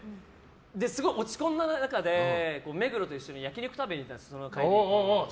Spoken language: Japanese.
すごい落ち込んだ中で目黒と一緒に焼き肉を食べに行ったんです、その帰りに。